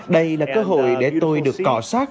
đây là cơ hội để tôi được cọ sát